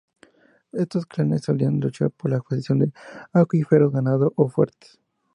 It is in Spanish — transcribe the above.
Estos clanes solían luchar por la posesión de acuíferos, ganado o fuertes.